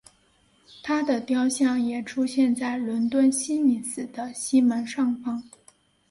她的雕像也出现在伦敦西敏寺的西门上方。